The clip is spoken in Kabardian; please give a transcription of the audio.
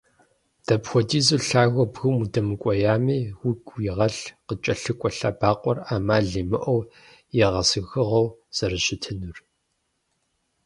Дэпхуэдизу лъагэу бгым удэмыкӏуеями уигу игъэлъ, къыкӏэлъыкӏуэ лъэбакъуэр ӏэмал имыӏэу егъэзыхыгъуэу зэрыщытынур.